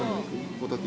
ホタテ？